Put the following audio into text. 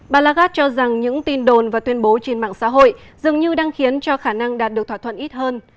bà lagarde cho rằng những tin đồn và tuyên bố trên mạng xã hội dường như đang khiến cho khả năng đạt được thỏa thuận ít hơn